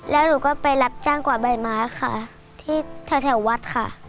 แล้วหนูก็ไปรับจ้างกวาดใบไม้ค่ะที่แถววัดค่ะ